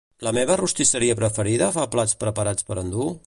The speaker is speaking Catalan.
La meva rostisseria preferida fa plats preparats per endur?